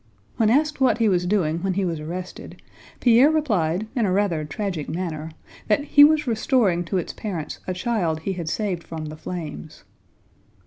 When asked what he was doing when he was arrested, Pierre replied in a rather tragic manner that he was restoring to its parents a child he had saved from the flames.